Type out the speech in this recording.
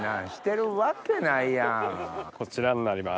こちらになります。